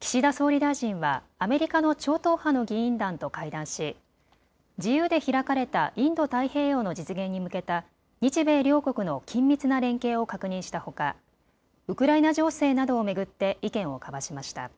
岸田総理大臣はアメリカの超党派の議員団と会談し自由で開かれたインド太平洋の実現に向けた日米両国の緊密な連携を確認したほかウクライナ情勢などを巡って意見を交わしました。